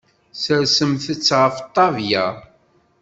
Sersemt-t ɣef ṭṭabla.